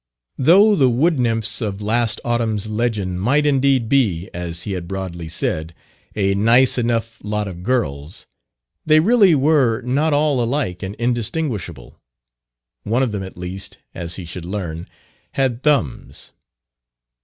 Though the "wood nymphs" of last autumn's legend might indeed be, as he had broadly said, "a nice enough lot of girls," they really were not all alike and indistinguishable: one of them at least, as he should learn, had thumbs.